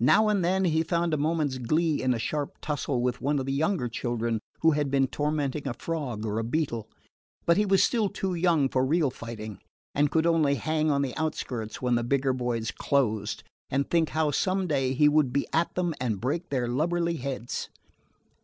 Now and then he found a moment's glee in a sharp tussle with one of the younger children who had been tormenting a frog or a beetle; but he was still too young for real fighting, and could only hang on the outskirts when the bigger boys closed, and think how some day he would be at them and break their lubberly heads.